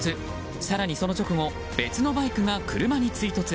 更にその直後別のバイクが車に追突。